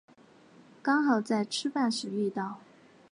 刚好在吃饭时遇到